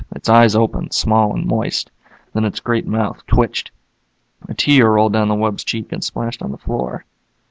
Its eyes opened, small and moist. Then its great mouth twitched. A tear rolled down the wub's cheek and splashed on the floor.